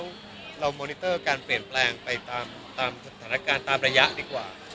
แล้วเรามอนิเตอร์การเปลี่ยนแปลงไปตามสถานการณ์ตามระยะดีกว่า